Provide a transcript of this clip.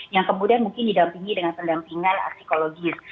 yang kemudian mungkin didampingi dengan pendampingan psikologis